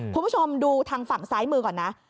คุณผู้ชมดูทางฝั่งซ้ายมือก่อนนะ